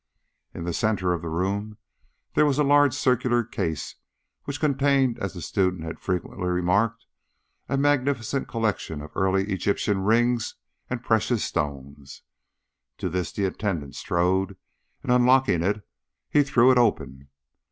In the centre of the room there was a large circular case which contained, as the student had frequently remarked, a magnificent collection of early Egyptian rings and precious stones. To this the attendant strode, and, unlocking it, he threw it open.